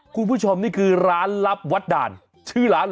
คุณผู้ชมนี่คือร้านลับวัดด่านชื่อร้านเห